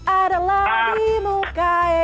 adalah di muka e